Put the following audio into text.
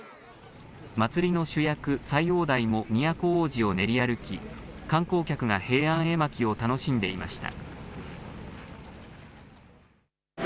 祭りの主役、斎王代も都大路を練り歩き観光客が平安絵巻を楽しんでいました。